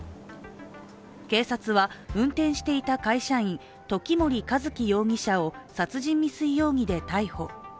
警察は運転していた会社員時森一輝容疑者を殺人未遂容疑で逮捕。